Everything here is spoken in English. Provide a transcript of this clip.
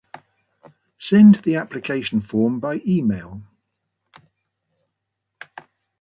Send the application form by email.